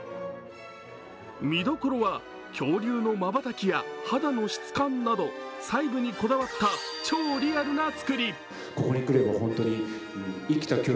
見どころは恐竜のまばたきや肌の質感など細部にこだわった超リアルな作り。